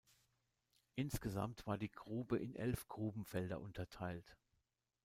Insgesamt war die Grube in elf Grubenfelder unterteilt.